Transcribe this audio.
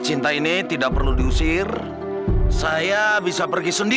kita sekeluarga pasti bangkit lagi